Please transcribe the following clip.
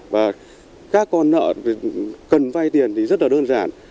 và các con nợ cần vay tiền thì rất là đơn giản